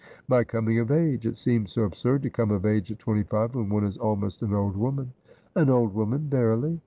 ' My coming of age. It seems so absurd to come of age at twenty five, when one is almost an old woman.' ' An old woman verily.